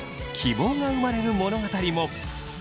希望が生まれる物語も！